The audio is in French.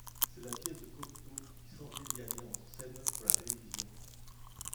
C'est la pièce de Cocteau qui Santelli a mise en scène pour la télévision.